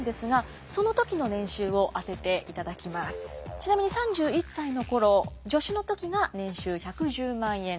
ちなみに３１歳の頃助手の時が年収１１０万円です。